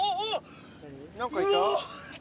何かいた？